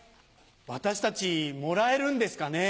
私たちもらえるんですかね？